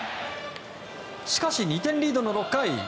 しかし２点リードの６回。